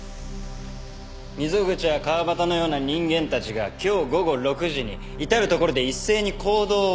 溝口や川端のような人間たちが今日午後６時に至る所で一斉に行動を起こすんですよ。